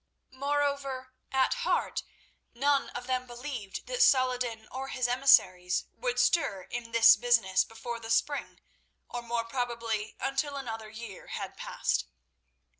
Moreover, at heart, none of them believed that Saladin or his emissaries would stir in this business before the spring, or more probably until another year had passed.